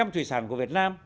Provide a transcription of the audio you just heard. bốn mươi thủy sản của việt nam